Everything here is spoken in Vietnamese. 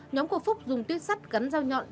nhóm của phúc dùng tuyết sắt cắn dao nhọn